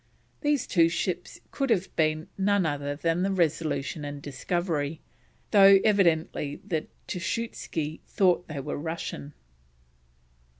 These two ships could have been none other than the Resolution and Discovery, though evidently the Tschutski thought they were Russian.